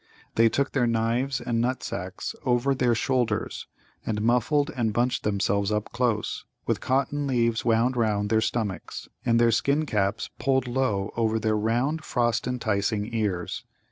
They took their knives and nut sacks over their shoulders, and muffled and bunched themselves up close, with cotton leaves wound round their stomachs, and their skin caps pulled low over their round frost enticing ears.